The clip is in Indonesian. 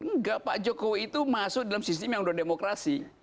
enggak pak jokowi itu masuk dalam sistem yang sudah demokrasi